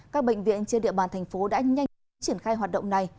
các bệnh viện trên địa bàn thành phố đã nhanh chóng triển khai hoạt động này